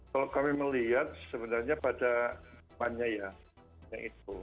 kalau kami melihat sebenarnya pada kebanyakan ya